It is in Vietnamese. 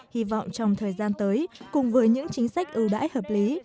hy vọng trong thời gian tới cùng với những chính sách ưu đãi hợp lý